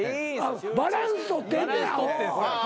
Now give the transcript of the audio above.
バランス取ってんねんアホ。